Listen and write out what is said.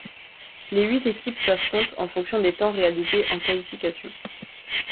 Les huit équipes s'affrontent en fonction des temps réalisés en qualification.